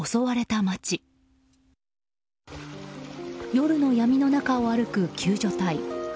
夜の闇の中を歩く救助隊。